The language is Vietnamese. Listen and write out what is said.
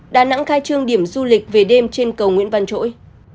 đà nẵng khai trương điểm du lịch về đêm trên cầu nguyễn văn trỗi